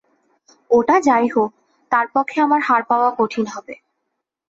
ওটা যা-ই হোক, তার পক্ষে আমার হাড় পাওয়া কঠিন হবে।